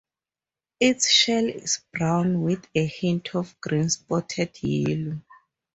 Its shell is brown with a hint of green, spotted yellow.